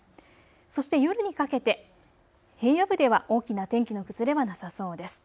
そして夜にかけて平野部では大きな天気の崩れはなさそうです。